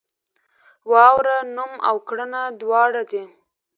واوره نوم او کړنه دواړه دي.